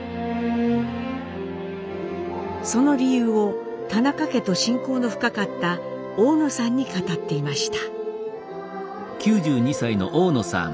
その理由を田中家と親交の深かった大野さんに語っていました。